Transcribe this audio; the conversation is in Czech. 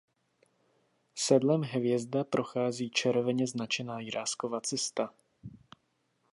Sedlem Hvězda prochází červeně značená Jiráskova cesta.